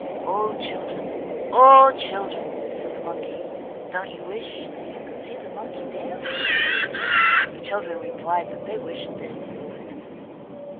"O, children, O, children," said the monkey, "don't you wish that you could see the monkey dance?" The children replied that they wished they could.